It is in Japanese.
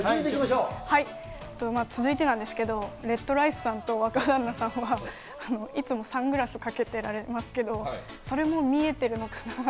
続いてなんですけど、ＲＥＤＲＩＣＥさんと若旦那さんは、いつもサングラスをかけておられますけど、それも見えてるのかなと。